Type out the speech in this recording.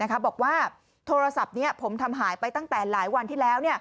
บอกว่าโทรศัพท์นี้ผมทำหายไปตั้งแต่หลายวันที่แล้ว